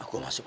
aku masuk lah